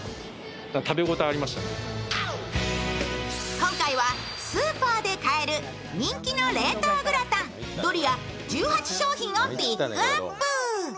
今回はスーパーで買える人気の冷凍グラタン、ドリア１８商品をピックアップ。